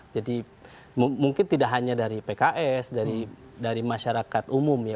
jadi mungkin tidak hanya dari pks dari masyarakat umum ya